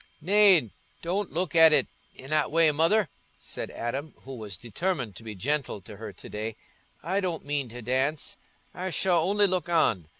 "Nay, don't look at it i' that way, Mother," said Adam, who was determined to be gentle to her to day. "I don't mean to dance—I shall only look on.